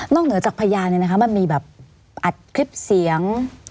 นอกเหนือจากพยานอัดคลิปเสียง